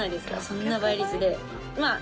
そんな倍率でまあ